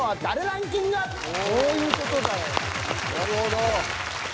なるほど。